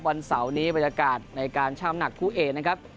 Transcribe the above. วันเสาร์นี้บรรยากาศในการช่ำหนักคู่เอกนะครับ